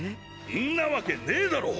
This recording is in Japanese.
んなわけねぇだろう！